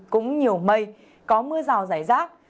cũng nhiều mây có mưa rào rải rác